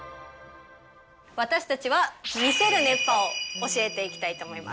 私たちは魅せる熱波を教えていきたいと思います。